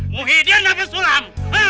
muhyiddin apa sulam